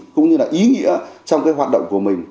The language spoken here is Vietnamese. cũng như là ý nghĩa trong cái hoạt động của mình